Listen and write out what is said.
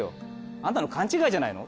アンタの勘違いじゃないの？